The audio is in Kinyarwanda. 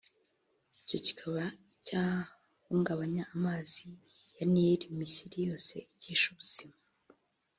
icyo kikaba icyahungabanya amazi ya Nili Misiri yose ikesha ubuzima